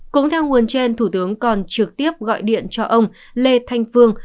cũng theo nguồn trên thủ tướng còn trực tiếp gọi điện cho ông lê thanh phương